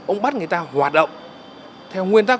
ông bắt người ta hoạt động theo nguyên tắc